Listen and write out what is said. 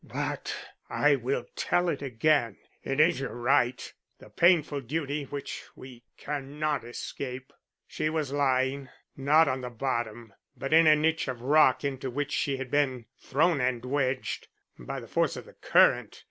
"But I will tell it again; it is your right, the painful duty which we cannot escape. She was lying, not on the bottom, but in a niche of rock into which she had been thrown and wedged by the force of the current.